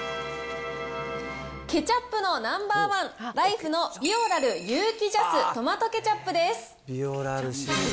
ケチャップのナンバー１、ライフのビオラル有機ＪＡＳトマトケチャップです。